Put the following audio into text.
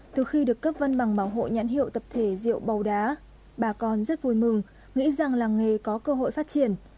từ khi được cấp văn bằng bảo hộ nhãn hiệu tập thể rượu bầu đá bà con rất vui mừng nghĩ rằng làng nghề có cơ hội phát triển